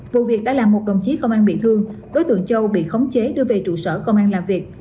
vụ việc đã làm một đồng chí công an bị thương đối tượng châu bị khống chế đưa về trụ sở công an làm việc